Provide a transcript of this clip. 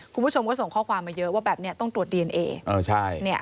คุณผู้ชมก็ส่งข้อความมาเยอะว่าแบบนี้ต้องตรวจดีเอนเอ